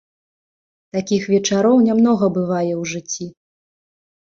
Такіх вечароў нямнога бывае ў жыцці.